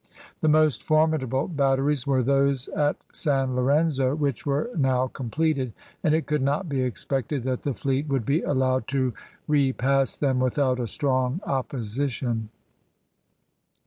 The most formidable batteries were those at San Lorenzo, which were now completed, and it could not be expected that the fleet would be allowed to repass them without a strong opposition.